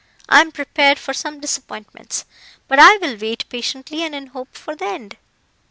I am prepared for some disappointments, but I will wait patiently and in hope for the end."